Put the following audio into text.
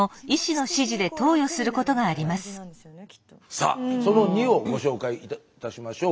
さあその２をご紹介いたしましょう。